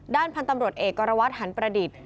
ด้านพันธ์ตำรวจเอกกรวัตรหันประดิษฐ์